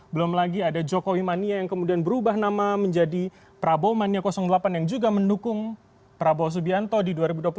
belum lagi ada jokowi mania yang kemudian berubah nama menjadi prabowo mania delapan yang juga mendukung prabowo subianto di dua ribu dua puluh empat